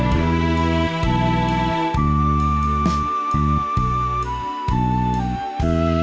สวัสดีครับ